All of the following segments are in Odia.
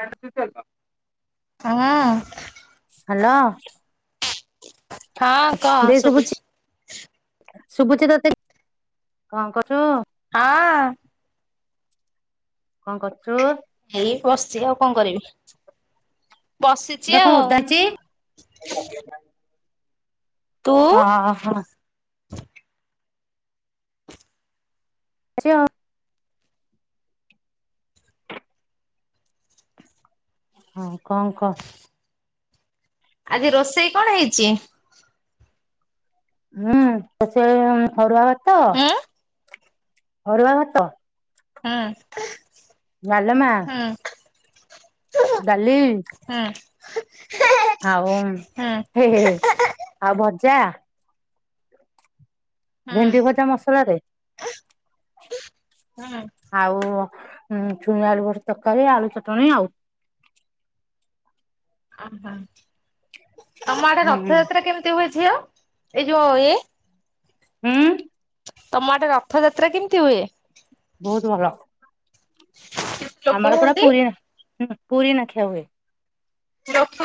ହ୍ୟାଲୋ। ହଁ ହଁ କହ ଦେଇ ଶୁଭୁଛି ଶୁଭୁଚି? ଶୁଭୁଚି ତତେ, କଣ କରୁଚୁ? ହଁ କଣ କରୁଚୁ? ଏଇ ବସିଚି ଆଉ କଣ କରିବି? ଦେଖ ବସିଚି ଆଉ। ଓଦାଛି ତୁ ଓହୋ। ଆସିବ ହଁ, କଣ କହ? ଆଜି ରୋଷେଇ କଣ ହେଇଚି? ହୁଁ, ରୋଷେଇ ଅରୁଆ ଭାତ, ହୁଁ ଅରୁଆ ଭାତ ହୁଁ। ଡାଲମା ହୁଁ। ଡାଲି, ହୁଁ। ଆଉ ହେ ହେ ହେ ଆଉ ଭଜା, ହୁଁ ଭେଣ୍ଡି ଭଜା ମସଲା ରେ ହୁଁ। ଆଉ ଛୁଇଁ, ଆଳୁ, ବଡି ତରକାରୀ, ଆଳୁ ଚଟଣିୀ ଆଉ। ଓହୋ। ଆମ ଆଡେ ହୁଁ ରଥଯାତ୍ରା କେମିତି ହୁଏ, ଝିଅ? ଏଇ ଯୋଉ ଇଏ ହୁଁ? ତମ ଆଡ଼େ ରଥଯାତ୍ରା କେମିତି ହୁଏ? ବହୁତ ଭଲ। କେତେ ଲୋକ ଆମର ହୁଅନ୍ତି ପୁରା ନା, ପୁରୀ ନାଖେ ହୁଏ। ରଥ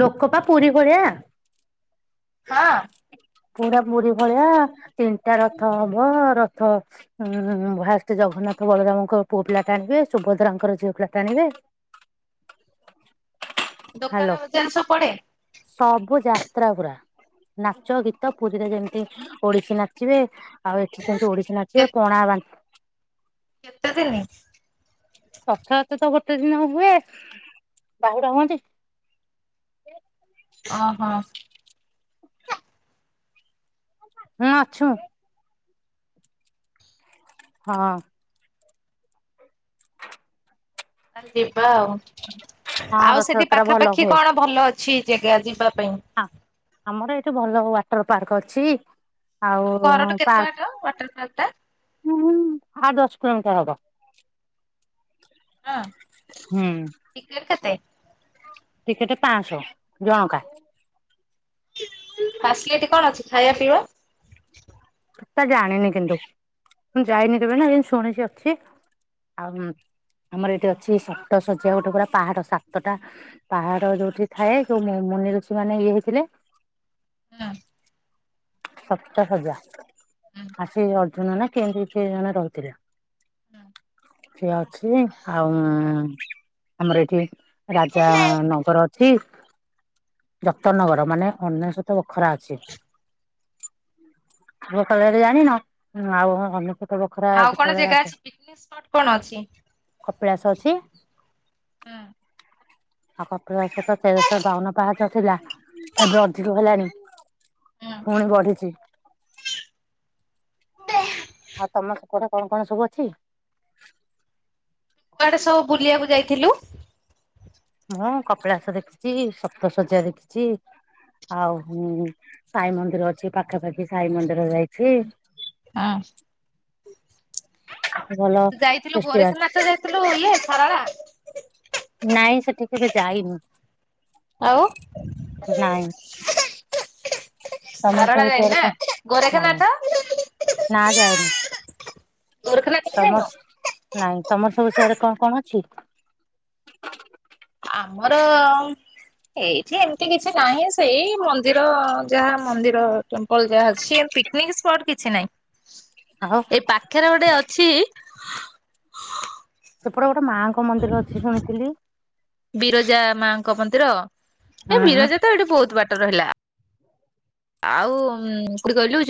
ଲୋକ ପା ପୁରୀ ଭଳିଆ। ହଁ ପୁରା ପୁରୀ ଭଳିଆ, ତିନିଟା ରଥ ହବ, ରଥ ଉଁ ଉଁ [unintelligible] ଜଗନ୍ନାଥ ବଳରାମଙ୍କ ପୁଅ ପିଲା ଟାଣିବେ, ସୁଭଦ୍ରାଙ୍କର ଝିଅ ପିଲା ଟାଣିବେ [unintelligible] ଦୋକାନ ବଜାର ସବୁ ପଡେ? ସବୁ ଯାତ୍ରା ପୁରା, ନାଚ ଗୀ ତ ପୁରୀଟା ଯେମିତି ଓଡିଶୀ ନାଚିବେ ଆଉ ଏଠି ସେମିତି ଓଡିଶୀ ନାଚିବେ, ପଣା ବା କେତେ ଦିନି? ରଥଯାତ୍ରା ତ ଗୋଟେ ଦିନ ହୁଏ, ବାହୁଡା ହୁଅନ୍ତି। ଓ ହୋ। ହୁଁ ଅଛୁ। ହଁ ଅଁ ଆରେ ଯିବା ଆଉ, ହଁ ଆଉ ସେଠି ରଥଯାତ୍ରା ଭଲ ପାଖାପାଖି ହୁଏ କଣ ଭଲ ଅଛି ଜାଗା ଯିବା ପାଇଁ? ହଁ, ଆମର ଏଇଠି ଭଲ ୱାଟର ପାର୍କ ଅଛି ଆଉ ତମ ଘରଠୁ କେତେ ବାଟ ପାର୍କ, ୱାଟର ପାର୍କ ଟା? ଆ ଦଶ କିଲୋମିଟର ହବ। ହଁ ହୁଁ ଟିକେଟ କେତେ? ଟିକେଟ ପାଆଁଶହ ଜଣକା। ଫାସିଲିଟି କଣ ଅଛି ଖାଇବା ପିଇବା? ହେଟା ଜାଣିନି କିନ୍ତୁ, ମୁଁ ଯାଇନି କେବେ ନା, ଏ ଶୁଣିଛି ଅଛି ଆଉ ଆମର ଏଠି ଅଛି ସତ ଶଯ୍ୟା ଗୋଟେ ପୁରା ପାହାଡ ସାତଟା ପାହାଡ ଯୋଉଠି ଥାଏ, ଯୋଉ ମୁନି ଋଷି ମାନେ ଇଏ ହେଇଥିଲେ ହଁ ସପ୍ତ ଶଯ୍ୟା, ଆସି ଅର୍ଜୁନ ନା କେମତି କିଏ ଜଣେ ରହିଁଥିଲେ? ସିଏ ଅଛି, ଆଉ ଆମର ଏଠି ରାଜା ନଗର ଛି, ଯତନଗର ମାନେ, ଅନେସତ ବଖରା ଅଛି। [unintelligible] ଜାଣିନ, ଆଉ ଅନେକ ଆଉ କଣ ଜେଗା ଅଛିି, ପିକ୍ନିକ୍ ସ୍ପଟ୍ କଣ ଅଛି, କପିଳାସ ଅଛି ହଁ? ଆଉ କପିଳାସ ତ ତେରଶହ ବାଉନ ପାହାଚ ଥିଲା, ଏବେ ଅଧିକ ହେଲାଣି। ହୁଁ ପୁଣି ବଢିଛି। ଆଉ ତମ ହେପଟେ କଣ କଣ ସବୁ ଅଛି? କୁଆଡେ ସବୁ ବୁଲିବାକୁ ଯାଇଥିଲୁ? ମୁଁ କପିଳାସ ଦେଖିଚି, ସପ୍ତ ଶଯ୍ୟା ଦେଖିଚି। ଆଉ ହୁଁ, ସାଇ ମନ୍ଦିର ଅଛି ଏଇ ପାଖାପାଖି, ସାଇ ମନ୍ଦିର ଯାଇଛି। ହୁଁ ଭଲ ତୁ ଯାଇଥିଲୁ ଫେଷ୍ଟିଭାଲ ଗୋରେଖନାଥ ଯାଇଥିଲୁ? ଇଏ ଖରାରା। ନାଇଁ ସେଠି କେବେ ଯାଇନି, ଆଉ ନାଇଁ। [unintelligible] ତମର ସାରଳା ସବୁ ଯାଇନୁ ସେର ନା କ, ନାଇଁ ଗୋରେଖନାଥ ନା ଯାଏନି। ଗୋରେଖନାଥ ବି ଯାଇନୁ? ତମର ନାଇଁ ତମର ସବୁ ସେଆଡେ କଣ କଣ ଅଛି? ଆମର ଏଇଠି ଏମିତି କିଛି ନାହିଁ, ସେଇ ମନ୍ଦିର, ଯାହା ମନ୍ଦିର ଟେମ୍ପଲ ଯାହା ଅଛି, ଏମ୍ ପିକ ନିକ୍ ସ୍ପଟ୍ କିଛି ନାହିଁ। ଆଉ ଏଇ ପାଖରେ ଗୋଟେ ଅଛି ସେପଟେ ଗୋଟେ ମାଆଙ୍କ ମନ୍ଦିର ଅଛି ଶୁଣିଥିଲି? ବିରଜା ମାଙ୍କ ମନ୍ଦିର ଏ ହୁଁ ବିରଜା ତ ଏଇଠି ବହୁତ ବାଟ୍ ବାଟରେ ହେଲା ଆଉକଉଠୀ କହିଲୁ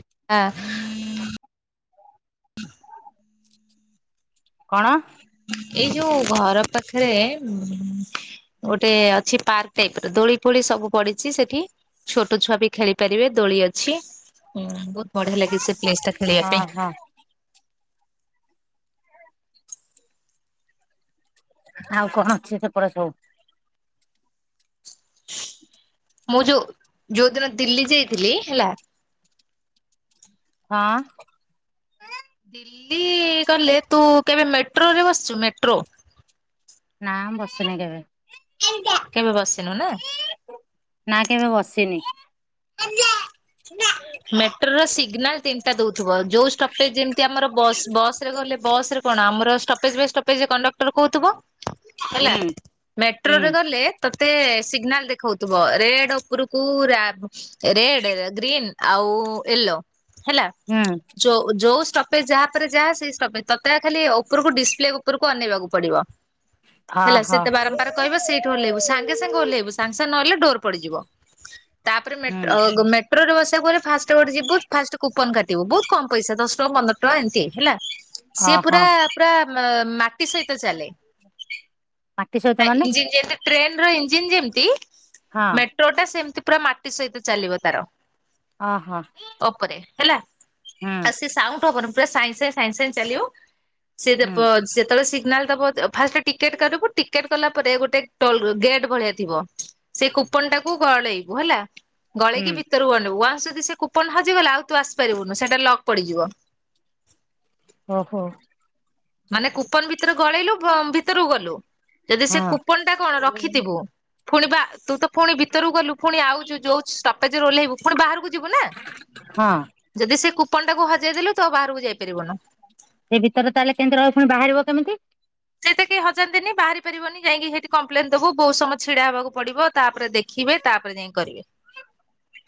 କଣ? ଏଇ ଯୋଉ ଘର ପାଖରେ ଗୋଟେ ଅଛି ପାର୍କ ଟାଇପ ର ଦୋଳି ଫୋଳି ସବୁ ପଡିଛି ସେଠି ଛୋଟ ଛୁଆ ବି ଖେଳି ପାରିବେ ଦୋଳି ଅଛି ବହୁତ ବଢିଆ ଲାଗେ ସେ ପ୍ଲେସ ଟା ଖେଳିବା ହଁ ପାଇଁ। ହଁ ଆଉ କଣ ଅଛି ସେପଟେ ସବୁ? ମୁଁ ଯୋଉ ଯୋଉ ଦିନ ଦିଲ୍ଲୀ ଯାଇଥିଲି ହେଲା ହଁ। ଦିଲ୍ଲୀ ଗଲେ ତୁ କେବେ ମେଟ୍ରୋରେ ବସିଛୁ ମେଟ୍ରୋ? ନାଁ ମୁଁ ବସିନି କେବେ। କେବେ ବସିନୁ ନା? ନା କେବେ ବସିନି। ମେଟ୍ରୋ ରେ ସିଗ୍ନାଲ ତିନ ଟା ଦଉଥିବ ଯୋଉ ଷ୍ଟପେଜ ଯେମିତି ଆମର ବସ୍ ବସ ରେ ଗଲେ ବସରେ କଣ ଆମର ଷ୍ଟପେଜ ବାଇଜ ଷ୍ଟପେଜ କଣ୍ଡକ୍ଟର କହୁଥିବ ହେଲା ହୁଁ ହୁଁ ମେଟ୍ରୋରେ ଗଲେ ତତେ ସିଗିନାଲ ଦେଖଉଥିବ ରେଡ ଉପରକୁ ରାପ ରେଡ ଗ୍ରୀନ ଆଉ ୟେଲୋ ହେଲା ହୁଁ। ଯ ଯୋଉ ଷ୍ଟପେଜ ଯାହା ପରେରେ ଯାହା ସେଇ ଷ୍ଟପେଜ ତତ ଖାଲି ଉପରକୁ ଡିସପ୍ଲେ ଉପରକୁ ଅନେଇବାକୁ ପଡିବ। ହ। [unintelligible] ହେଲା ସେତେ ବାରମ୍ବାର କହିବ ସେଇଠୁ ଓହ୍ଲାଇବ ସାଙ୍ଗେ ସାଙ୍ଗେ ଓହ୍ଲେଇବୁ ସାଙ୍ଗ ସାଙ୍ଗେ ନହଲେ ଡୋର ପଡିଯିବ। ତାପରେ ହୁଁ ମେଟ୍ରୋ କ ମେ ଟ୍ରୋରେ ବସିବାକୁ ହେଲେ ଫାଷ୍ଟ ଗୋଟେ ଯିବୁ ଫାଷ୍ଟ କୁପନ କାଟୁ ବହୁତ କ ପଇସା ଦଶ ଟଙ୍କାନ୍ଦର ଟା ଏମିତି ହେଲା। ସିଏ ଅହ ପୁରା ପୁରା ମାଟି ସହିତ ଚାଲେ। ମାଟି ସହିତ ନାଇ ମାନେ ଇଞ୍ଜିନ ଯେମ ଟ୍ରେନ ର ଇଞ୍ଜିିନ ଯେମିତି ହଁ ମେଟ୍ରୋଟା ସେମିତି ପୁରା ମାଟି ସହିତ ଚାଲିବ ତାର। ଅହ ଅପରେ ହେଲା ହୁଁ ଆ ସେ ସାଉଣ୍ଡ ହବନି ପୂରା ସାଇଁ ସାଇଁ ସାଇଁ ଚାଲିବ ସେ ଯେପ ହୁଁ ଯେତେବେଳେ ନେଲେ ତ ଫା ଟିକେଟ କରିବୁ ଟିକେଟ କଲା ପରେ ଗୋଟେ ଗେଟ୍ ଭଳିଆ ଥିବ ସେ କୁପନ ଟାକୁ ଗଳେଇବୁ ହେଲା। ହୁଁ ଗଳେଇକି ଭିତରକୁ ବଣବ ୱାନ୍ସ ଯଦି ସେ କୁପନ ହଜିଗଲା ଆଉ ତୁ ଆସିପାରିବୁନୁ ସେଇଟା ଲଗ ପଡିଯିବ। ଓହୋ। ମାନେ କୁପନ ଭିତରେ ଗଳେଇଲୁ ଭିତରକୁ ଗଲୁ ଯଦି ସେ ହଁ କୁପନ ଟା କଣ ରଖିଥିବୁ। ପୁଣି ବା ତୁ ତ ପୁଣି ଭିତରକୁ ଗଲୁ ପୁଣି ଆଉଛୁ ଯୋଉୁଷ୍ଟପେଜ ଓହ୍ଲେଇବୁ ପୁଣି ବାହାରକୁ ଯିବୁ ନା ହଁ। ଯଦି ସେ କୁପନ ଟାକୁ ହଜେଇ ଦେଲୁ ତ ବାହାରକୁ ଯାଇପାରିବନୁ। ସେ ଭିତରେ ତାହେଲେ କେମିତି ରହିଅ ପୁଣି ବାହାରିବ କେମିତି? ସେଇଟା କିହି ହଜାନ୍ତିନି ବାହାରି ପାରିବନି ଯାଇକି ସେଇଠି କମ୍ପ୍ଲେନ ଦବୁ ବହୁତ ସମୟ ଛିଡା ହବାକୁ ପଡିବ ତାପରେ ଦେଖି ଖିବେ ତାପରେ ଯାଇ କରିବେ।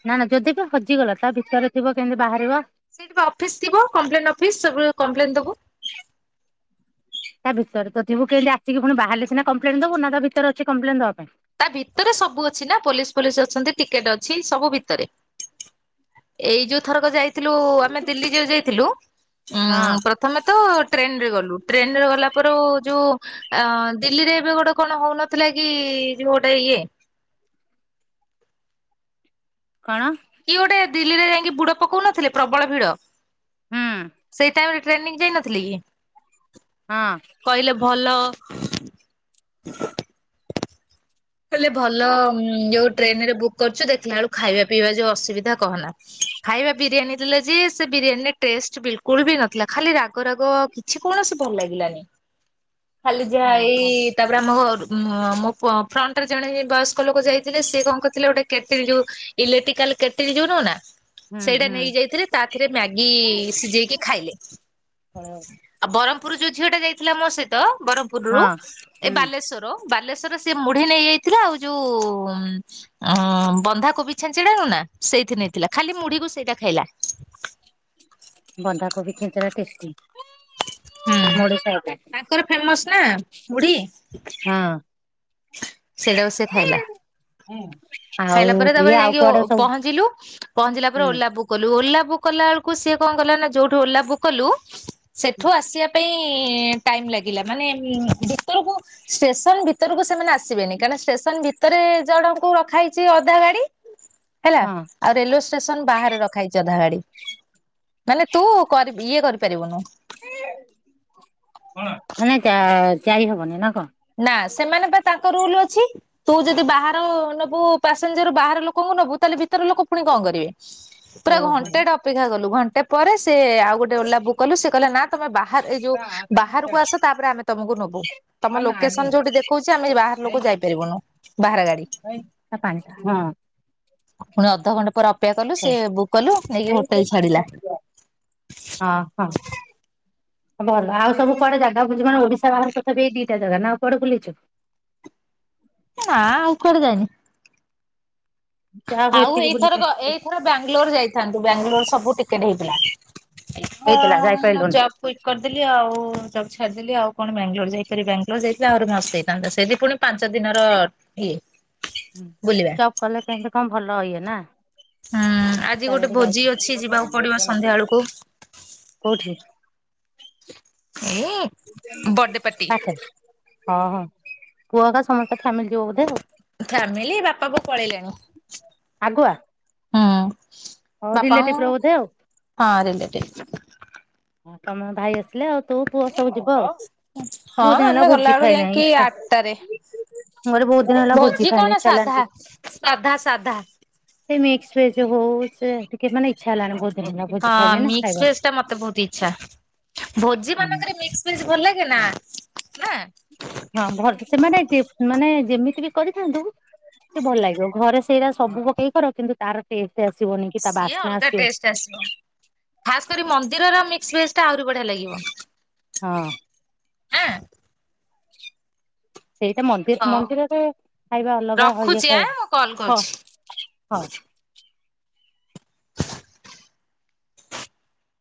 ନା ନା ଯଦି ବି ହଜିଗଲା ତା ଭିତରେ ଥିବ କେମିତି ବାହାରିବ? ସେଇଠି ଅଫିସ ଥିବ କମ୍ପ୍ଲେନ ଅଫିସ ସବୁ କମ୍ପ୍ଲେନ ଦବୁ। ତା ଭିତରେ ତ ଥିବୁ କେମିତି ଆସିକିଣି ବାହାରେଛି ନା କମ୍ପ୍ଲେନ ଦବୁ ନା ତା ଭିତରେ ଅଛି କମ୍ପ୍ଲେନ ଦବା ପାଇଁ? ତା ଭିତରେ ସବୁ ଅଛି ନା ପୋଲିସ ଫୋଲିସ ଅଛନ୍ତି ଟିକେଟ ଅଛି ସବୁ ଭିତରେ ଏଇ ଯୋଉ ଥରକ ଯାଇଥିଲୁ ଆମେ ଦିଲ୍ଲୀ ଯୋଉ ଯାଇଥିଲୁ ଉଁ ହଁ ପ୍ରଥମେ ତ ଟ୍ରେନରେ ଗଲୁ ଟ୍ରେନରେ ଗଲା ପରେ ଯୋଉ ଅ ଦିଲ୍ଲୀରେ ଏବେ ଗୋଟେ କଣ ହଉନଥିଲା କି ଯୋଉ ଗୋଟେ ଇଏ କଣ? କିଏ ଗୋଟେ ଦିଲ୍ଲୀରେ ଯାଇକି ବୁଡ ପକଉ ନଥିଲେ ପ୍ରବଳ ଭିଡ, ହୁଁ ସେଇ ଟାଇ ଟ୍ରେନିଂ ଯାଇନଥିଲି କି? ହଁ। କହିଲେ ଭଲ ହେଲେ ଭଲ ଯୋଉ ଟ୍ରେନରେ ବୁକ୍ କରୁଛୁ ଦେଖିଲା ବେଳୁ ଖାଇବା ପିଇବା ଯୋଉ ଅସୁବିଧା କହନା। ଖାଇବା ବିରିୟାନୀ ଦେଲେ ଯିଏ ସେ ବିରିୟାନୀରେ ଟେଷ୍ଟ ବିଲକୁଲ ବି ନଥିଲା ଖାଲି ରାଗରାଗ ସେ କୌଣସି ଭଲ ଲାଗିଲାନି। ଖାଲି ଯାହା ଏଇ ଓହୋ ତାପରେ ଆମ ଘ ମୋ ଫ୍ରଣ୍ଟରେ ଜଣେ ବୟସ୍କ ଲୋକ ଯାଇଥିଲେ ସେି କଣ କରିଥିଲେ ଗୋଟେ କ୍ୟାଟ ଯୋଉ ଇଲେକ୍ଟ୍ରିକାଲ କେଟେଲ ଯୋଉ ନୁହଁ ନା ହୁଁ ସେଇଟା ହୁଁ ନେଇ ଯାଇଥିଲେ ତା ଥରେ ମ୍ୟାଗି ସିଝେଇକି ଖାଇଲେ। ଆଉ ବ୍ରହ୍ମପୁର ଯୋଉ ଝିଅଟା ଯାଇଥିଲା ମୋ ସହିତ ହଁ ବ୍ରହ୍ମପୁରରୁ ଏ ହୁଁ ବାଲେଶ୍ୱର ବାଲେଶ୍ଵର ସେ ମୁଢି ନେଇ ଯାଇଥିଲା ଆଉ ଯୋଉ ଉ ବନ୍ଧାକୋବି ଛେଞ୍ଚିଡା ନୁ ନା ସେଇଥିି ନେଇଥିଲା ଖାଲି ମୁଢିକୁ ସେଇଟା ଖାଇଲା। ବନ୍ଧା କୋବି ଚ୍ଛେଞ୍ଚେଡା ଟେଷ୍ଟି। ହୁଁ ମୋଡିଶାକୁ ତାଙ୍କର ଫେମସ ନା ମୁଢି। ହଁ। ସେଇଟାକୁ ସେ ଖାଇଲା। ଖାଇଲା ଆଉ ପରେ ଇଏ ତାପରେ ଆଉ ଯାଇକି କୁଆଡେ ସବୁ ପହଞ୍ଚିଲୁ ପହଞ୍ଚିଲା, ପରେ ହୁଁ ଓଲା ବୁ କଲୁ ଓଲା ବୁକ୍ କଲା ବେଳକୁ ସିଏ କଣ କଲା ନା ଯୋଉଠୁ ଓଲା ବୁକ୍ କଲୁ ସେଠୁ ଆସିବା ପାଇଁ ଟାଇମ୍ ଲାଗିଲା ମାନେ ଷ୍ଟେସନ ଭିତରକୁ ଭିତରକୁ ସେମାନେ ଆସିବେନି କାରଣ ଷ୍ଟେସନ ଭିତରେ ଜଣଙ୍କୁ ରଖାହେଇଛି ଅଧା ଧାଡି। ହେଲା। ହଁ ଆଉ ରେଲୱେ ଷ୍ଟେସନ ବାହାରେ ରଖା ହେଇଛି ଅଧା ଗାଡି ମାନେ ତୁ ଇଏ କରିପାରିବୁନୁ। ହେଲେ ଯା ଯାଇ ହବନି ନା କଣ? ନା ସେମାନେ ପା ତାଙ୍କ ରୁଲ ଅଛି। ତୁ ଯଦି ବାହାର ନବୁ ପାସେଞ୍ଜର ବାହାର ଲୋକଙ୍କୁ ନବୁ ତାହେଲେ ଭିତର ଲୋକ ପୁଣି କଣ କରିବେ? ପୁରା ଓହୋ ଘଣ୍ଟେଟା ଅପେକ୍ଷା କଲୁ ଘଣ୍ଟେ ପରେ ସେ ଆଉ ଗୋଟେ ଓଲା ବୁକ୍ କଲୁ ସେ କହିଲେ ନା ତମେ ବା ଏ ଯୋଉ ବାହାରକୁ ଆସ ତାପରେ ଆମେ ତମକୁ ନବୁ ତମ ଲୋକସନ ଯୋଉଠି ଦେଖଉଛି ଆମେ ବାହାର ଲୋକ ଯାଇପାରିବୁନୁ ବାହାର ଗାଡି। ତା ପାଣିଟା ହଁ ପୁଣି ଅଧଘଣ୍ଟା ପରେ ଅପେକ୍ଷା କଲୁ ସେ ବୁକ୍ କଲୁ ନେଇକି ହୋଟେଲ ଛାଡିଲା। ହଁ ହଁ। ଭଲ ଆଉ ସବୁଆଡ ଜାଗା ବୁ ମାନ ଓଡିଶା ବାହରେ ତଥା ଏ ଦିଟା ଜାଗା ନା ଆଉ କୁଆଡେ ବୁଲିଛୁ? ନା ଆଉ କୁଆଡ଼େ ଯାଇନି? ଯାହା ହଉ ଆଉ ଏତିକି ବୁଲିକି ଏଇଥରକ ଆସିଛୁ ଏଇଥର ବାଙ୍ଗାଲୋର ଯାଇଥାନ୍ତୁ ବାଙ୍ଗାଲୋର ସବୁ ଟିକେଟ ହେଇଥିଲା। ହେଇଥିଲା ଯାଇପାରିଲୁନି। କରିଦେଲି ଆଉ ଜବ୍ ଛାରିଦେଲି। ଆଉ କଣ, ବାଙ୍ଗଲୋର ଯାଇକରି, ବାଙ୍ଗାଲୋର ଯାଇଥିଲେ ଆହୁରି ମସ୍ତ ହେଇଥାନ୍ତା ସେଠି ପୁଣି। ପାଞ୍ଚ ଦିନର ଇଏ। ହୁଁ ବୁଲିବା। ଜପ୍ କଲ, କେମତି କଣ ଭଲ ହିଏ ନା? ହୁଁ ଆଜି ଗୋଟେ ଚାରିଆଡେ ଭୋଜି ଯାଇଥିବ ଅଛି, ଯିବାକୁ ପଡିବ ସନ୍ଧ୍ୟା ବେଳକୁ। କେଉଁଠି? ଏଏ। [unintelligible] ହଁ ହଁ କୁଅକା ସମସ୍ତେ ଫେନ୍ ମିଳି ଯିବ ବୋଧେ, ଆଉ ଫ୍ୟାମିଲି ବାପା ବୋଉ ପଳେଇଲେଣି ଆଗୁଆ। ହୁଁ ହଉ ରିଲେଟିଭ ର ବାପାଙ୍କ ବୋଧେ ଆଉ। ହଁ ରିଲେଟିଭ। ହଁ ତମ ଭାଇ ଆସିଲେ ଆଉ ତୋ ପୁଅ ସବୁ ଯିବ ଆଉ ହଁ ବୋଧ ହେଲା ଆମେ ଭୋଜି ଗଲାବେଳୁ ଖାଇନାହିଁ ଯାଇକି ଇଚ୍ଛା ଆଠଟାରେ ନାହେଲେ ବହୁତ। ଦିନ ହେଲା ଭୋଜି ଖାଇନି କଣ ଇଚ୍ଛା ସାଧା ହେଲାଣି ସାଧା ସାଧା। ସେ ମେ [unintelligible] ଟିକେ ମାନ ଇଚ୍ଛା ହେଲାଣି ବହୁତ୍। ହଁ ମିକ୍ସ୍ ଫେସ୍ ମତେ ବହୁତ ଇଛ। ଆଛା ଭୋଜି ମାନଙ୍କରେ ମିକସ୍ ପିସ୍ ଭଲ ଲାଗେନା ନାଁ। ହଁ ଭଲସ ସେମାନେ ଯେ, ମାନେ ଯେମିତି ବି କରିଥାନ୍ତୁ। ଟେ ଭଲ ଲାଗିବ, ଘରେ ସେଇଟା ସବୁ ପକେଇ କର କିନ୍ତୁ। ତାର କାକେ ଆସିବନି? କି ତା ସିଏ ବାସ୍ନା ଅଲଗା ଆସିବ ଟେଷ୍ଟ୍ ଆସିବ, ଖାସ କରି ମନ୍ଦିରର ମିକ୍ସ ଭେଜ ଟା ଆହୁରି ବଢିଆ ଲାଗିବ। ହଁ। ଆଁ ସେଇଟା ମଖେଟ ହଉ ମନ୍ଦିରଟା ଖାଇବା ଅଲଗା ରଖୁଛି [unintelligible] ଆଁ ମୁଁ କଲ ହଁ କରୁଛି। ହଁ।